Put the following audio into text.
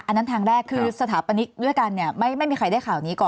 อันนั้นทางแรกคือสถาปนิกด้วยกันเนี่ยไม่มีใครได้ข่าวนี้ก่อน